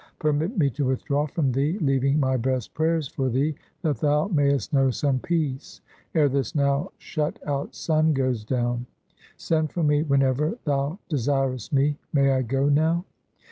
Permit me to withdraw from thee, leaving my best prayers for thee, that thou mayst know some peace, ere this now shut out sun goes down. Send for me whenever thou desirest me. May I go now?"